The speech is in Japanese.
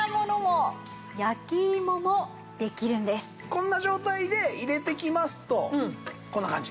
こんな状態で入れていきますとこんな感じ。